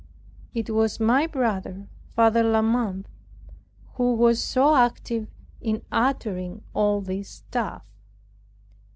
It was my brother, Father de la Mothe, who was so active in uttering all this stuff.